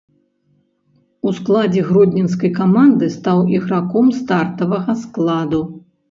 У складзе гродзенскай каманды стаў іграком стартавага складу.